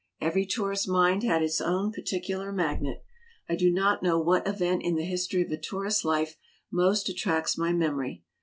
Every tourist mind has its own particular magnet. I do not know what event in the history of a tourist life most attracts my memory.